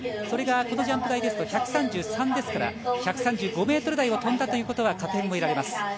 それがこのジャンプ台ですと１３３ですから１３５ｍ台を飛んだということは加点を得られます。